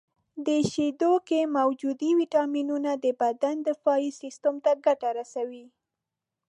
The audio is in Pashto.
• د شیدو کې موجودې ویټامینونه د بدن دفاعي سیستم ته ګټه رسوي.